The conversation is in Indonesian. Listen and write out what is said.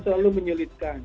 itu akan selalu menyulitkan